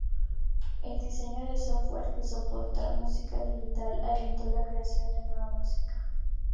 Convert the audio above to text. El diseño de software que soporta música digital alentó la creación de nueva música.